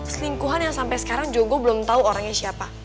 selingkuhan yang sampai sekarang jogo belum tahu orangnya siapa